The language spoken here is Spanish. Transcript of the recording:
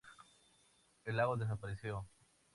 El lago desapareció.